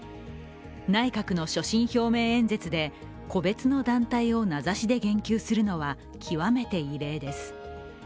内閣の所信表明演説で個別の団体を名指しで言及するのは極めて異例です。